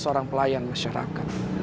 seorang pelayan masyarakat